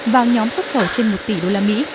và nhóm xuất khẩu trên một tỷ usd